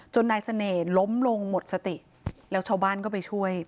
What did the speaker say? นายเสน่ห์ล้มลงหมดสติแล้วชาวบ้านก็ไปช่วย